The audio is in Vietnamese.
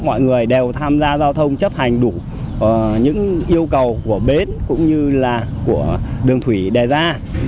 mọi người đều tham gia giao thông chấp hành đủ những yêu cầu của bến cũng như là của đường thủy đề ra